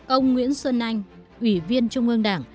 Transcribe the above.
ông nguyễn xuân anh ủy viên trung ương đảng